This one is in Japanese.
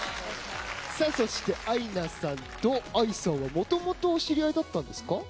そしてアイナさんとＡＩさんはもともとお知り合いだったんですか？